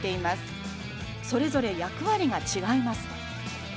それぞれ役割が違います。